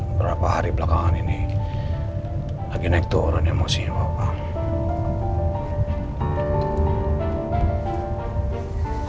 berapa hari belakangan ini lagi naik tuh orang emosi bapak